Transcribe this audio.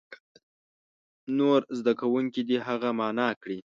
نور زده کوونکي دې هغه معنا کړي.